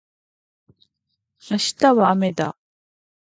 明日はあめだ